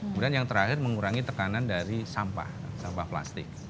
kemudian yang terakhir mengurangi tekanan dari sampah sampah plastik